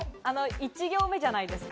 １行目じゃないですか？